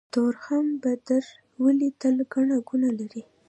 تورخم بندر ولې تل ګڼه ګوڼه لري؟